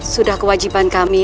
sudah kewajiban kami